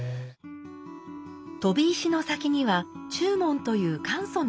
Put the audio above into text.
飛び石の先には中門という簡素な門があります。